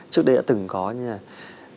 trước đây đã từng có như là